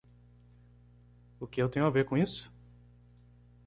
O que eu tenho a ver com isso?